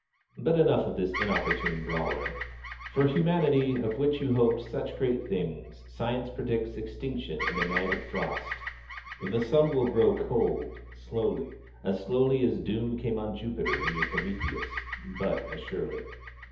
But enough of this inopportune brawler. For Humanity, of which you hoped such great things, Science predicts extinction in a night of Frost. The sun will grow cold, slowly as slowly as doom came on Jupiter in your 'Prometheus,' but as surely.